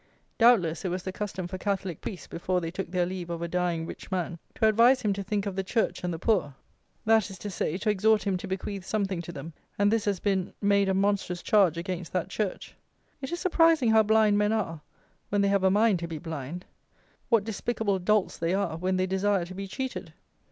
Doubtless, it was the custom for Catholic Priests, before they took their leave of a dying rich man, to advise him to think of the Church and the Poor; that is to say to exhort him to bequeath something to them; and this has been made a monstrous charge against that Church. It is surprising how blind men are, when they have a mind to be blind; what despicable dolts they are, when they desire to be cheated.